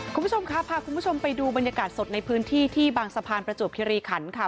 คุณผู้ชมครับพาคุณผู้ชมไปดูบรรยากาศสดในพื้นที่ที่บางสะพานประจวบคิริขันค่ะ